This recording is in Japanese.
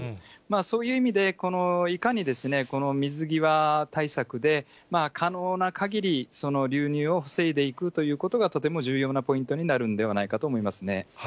そういう意味で、いかにこの水際対策で可能なかぎり流入を防いでいくということが、とても重要なポイントになるんではないかと思いますね。